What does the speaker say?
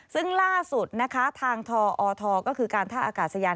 ซึ่งล่าสุดนะคะทางทอทก็คือการท่าอากาศยาน